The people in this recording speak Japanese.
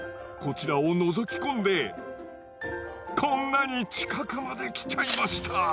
こちらをのぞき込んでこんなに近くまで来ちゃいました。